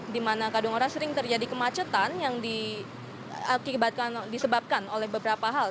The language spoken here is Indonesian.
di mana kadungora sering terjadi kemacetan yang disebabkan oleh beberapa hal